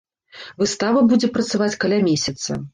Выстава будзе працаваць каля месяца.